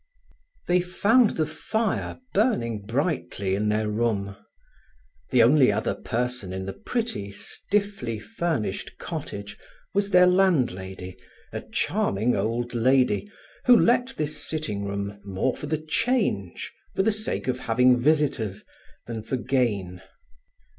V They found the fire burning brightly in their room. The only other person in the pretty, stiffly furnished cottage was their landlady, a charming old lady, who let this sitting room more for the change, for the sake of having visitors, than for gain.